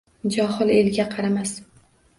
Johil elga qaramas.